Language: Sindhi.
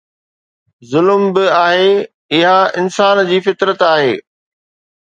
ظلم به آهي، اها انسان جي فطرت آهي.